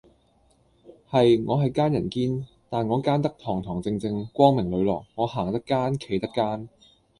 係，我係奸人堅，但我奸得堂堂正正，光明磊落，我行得奸，企得奸!